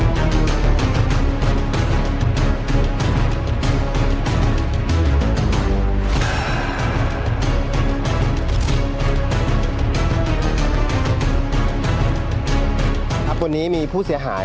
แล้วจัดงานที่ผู้เสียหาย